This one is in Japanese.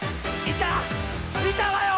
いたわよ！